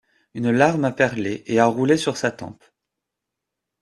Une larme a perlé et a roulé sur sa tempe.